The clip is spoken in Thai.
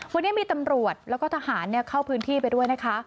วันนี้มีตำรวจแล้วก็ทหารเข้าพื้นที่ไปด้วยนะคะ